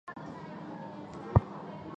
他们来自马里奥系列。